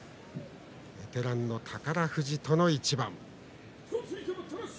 ベテランの宝富士との一番。